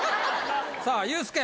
さあユースケ。